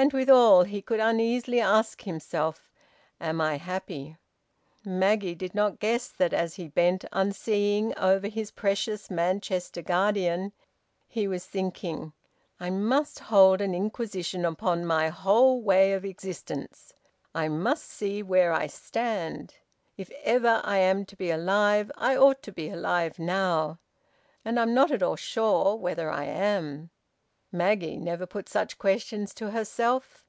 And withal he could uneasily ask himself, "Am I happy?" Maggie did not guess that, as he bent unseeing over his precious "Manchester Guardian," he was thinking: "I must hold an inquisition upon my whole way of existence. I must see where I stand. If ever I am to be alive, I ought to be alive now. And I'm not at all sure whether I am." Maggie never put such questions to herself.